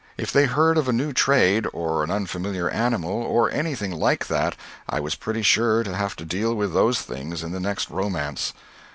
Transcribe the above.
If they heard of a new trade, or an unfamiliar animal, or anything like that, I was pretty sure to have to deal with those things in the next romance.